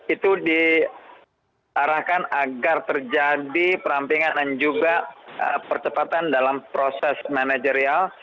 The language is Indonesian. itu diarahkan agar terjadi perampingan dan juga percepatan dalam proses manajerial